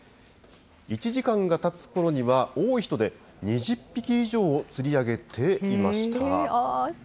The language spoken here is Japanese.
１時間がたつころには、多い人で２０匹以上を釣り上げていました。